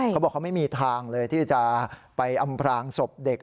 เขาบอกเขาไม่มีทางเลยที่จะไปอำพลางศพเด็ก